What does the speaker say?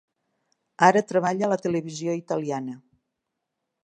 Ara treballa a la televisió italiana.